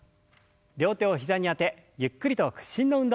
両手を膝にあてゆっくりと屈伸の運動。